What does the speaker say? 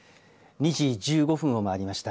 ２時１５分をまわりました。